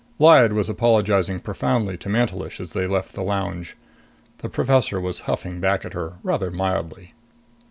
Lyad was apologizing profoundly to Mantelish as they left the lounge. The professor was huffing back at her, rather mildly.